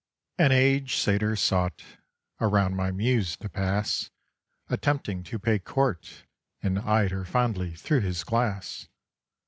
An aged satyr sought Around my Muse to pass, Attempting to pay court, And eyed her fondly through his glass.